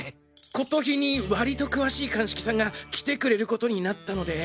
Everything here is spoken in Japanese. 骨董品に割と詳しい鑑識さんが来てくれることになったので。